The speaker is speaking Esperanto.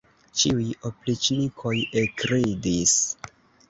Ĉiuj opriĉnikoj ekridis.